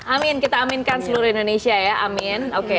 amin kita aminkan seluruh indonesia ya amin oke